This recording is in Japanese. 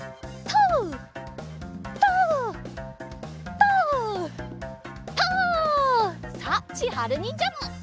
トウ！さあちはるにんじゃも。